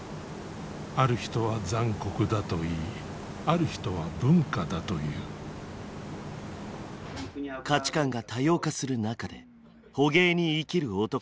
ある人は残酷だと言いある人は文化だと言う価値観が多様化する中で捕鯨に生きる男たち。